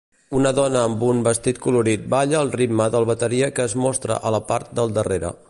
Una dona amb un vestit colorit balla al ritme del bateria que es mostra a la part del darrera.